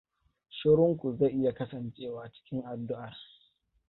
Shirunku zai iya kasancewa cikin addu'ar.